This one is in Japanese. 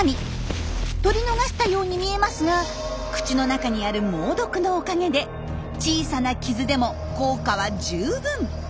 取り逃したように見えますが口の中にある猛毒のおかげで小さな傷でも効果は十分。